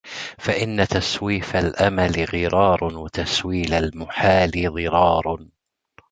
فَإِنَّ تَسْوِيفَ الْأَمَلِ غِرَارٌ ، وَتَسْوِيلَ الْمُحَالِ ضِرَارٌ